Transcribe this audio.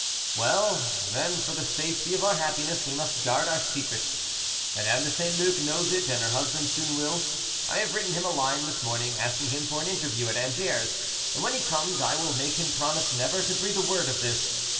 "Well, then, for the safety of our happiness, we must guard our secret. Madame de St. Luc knows it, and her husband soon will. I have written him a line this morning, asking him for an interview at Angers, and when he comes I will make him promise never to breathe a word of this.